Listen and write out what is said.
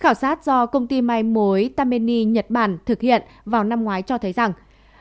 khảo sát do công ty mai mối tammeni nhật bản thực hiện vào năm ngoái cho thấy rằng